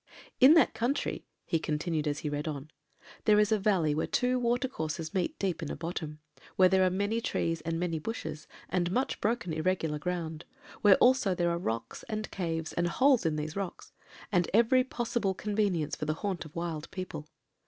"In that country," he continued, as he read on, "there is a valley where two watercourses meet deep in a bottom; where there are many trees, and many bushes, and much broken irregular ground, where also there are rocks, and caves, and holes in these rocks, and every possible convenience for the haunt of wild people.